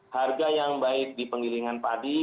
harga yang baik di pengilingan padi